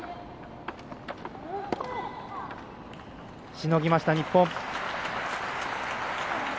しのぎました、日本。